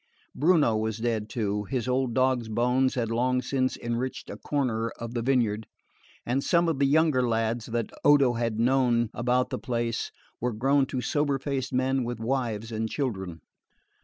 Bruno was dead too; his old dog's bones had long since enriched a corner of the vineyard; and some of the younger lads that Odo had known about the place were grown to sober faced men with wives and children.